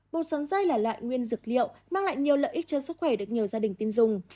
bột sắn dây là loại nguyên dược liệu mang lại nhiều lợi ích cho sức khỏe được nhiều gia đình tin dùng